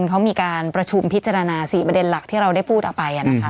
เขามีการประชุมพิจารณา๔ประเด็นหลักที่เราได้พูดเอาไป